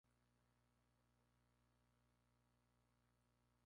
Canal Campero fue uno de los canales que desaparecieron a causa de la fusión.